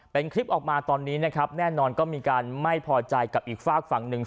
เป็นคลิปออกมาตอนนี้นะครับแน่นอนก็มีการไม่พอใจกับอีกฝากฝั่งหนึ่ง